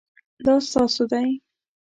دا ستاسو دی؟